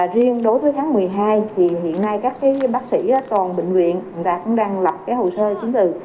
riêng đối với tháng một mươi hai hiện nay các bác sĩ toàn bệnh viện cũng đang lọc hồ sơ chính từ